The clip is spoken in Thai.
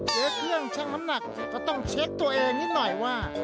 ซื้อเครื่องชั่งน้ำหนักก็ต้องเช็คตัวเองนิดหน่อยว่า